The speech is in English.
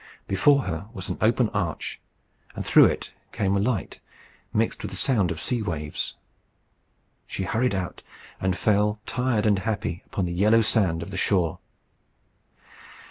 Before her was an open arch, and through it came light, mixed with the sound of sea waves. She hurried out, and fell, tired and happy, upon the yellow sand of the shore.